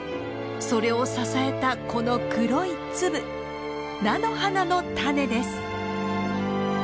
それを支えたこの黒い粒菜の花のタネです。